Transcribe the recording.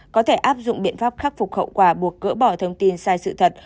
có thể áp dụng biện pháp khắc phục khẩu quả buộc cỡ bỏ thông tin sai sự thật